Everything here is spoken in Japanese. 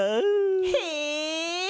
へえ！